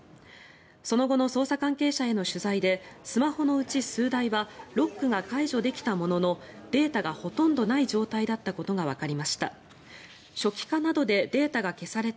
その後の捜査関係者への取材でスマホのうち数台はロックが解除できたもののデータがほとんどない状態だったことがわかりました。